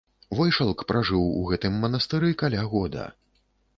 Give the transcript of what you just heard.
Войшалк пражыў у гэтым манастыры каля года.